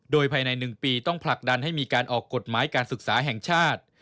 โดยภายใน๑ปีต้องผลักดันให้มีการออกกฎหมายการศึกษาแห่งชาติ